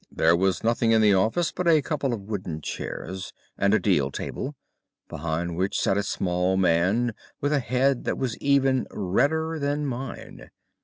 "There was nothing in the office but a couple of wooden chairs and a deal table, behind which sat a small man with a head that was even redder than mine.